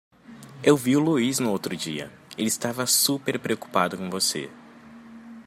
Eu vi Louis no outro dia? ele estava super preocupado com você.